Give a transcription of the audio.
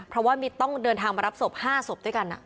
เพราะว่าต้องเดินทางมารับศพ๕ศพด้วยกัน